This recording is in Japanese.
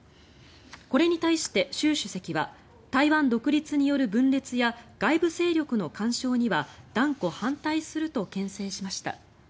これに対して、習主席は台湾独立による分裂や外部勢力の干渉には断固反対するとけん制しました。